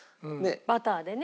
バターでね。